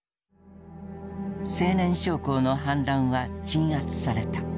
青年将校の反乱は鎮圧された。